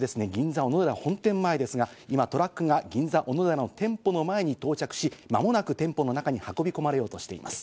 おのでら本店前ですが、今トラックが銀座おのでらの店舗の前に到着し、間もなく店舗の中に運び込まれようとしています。